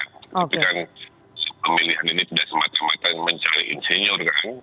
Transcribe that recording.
tapi kan pemilihan ini tidak semata mata mencari insinyur kan